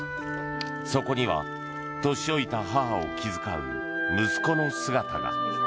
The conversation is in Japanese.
そこには年老いた母を気遣う息子の姿が。